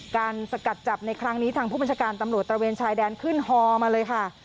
สกัดจับในครั้งนี้ทางผู้บัญชาการตำรวจตระเวนชายแดนขึ้นฮอมาเลยค่ะ